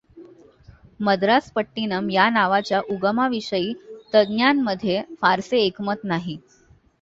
मद्रासपट्टिनम या नावाच्या उगमाविषयी तज्ञांमध्ये फारसे एकमत नाही.